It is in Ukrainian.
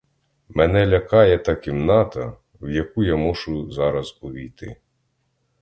Мене лякає та кімната, в яку я мушу зараз увійти.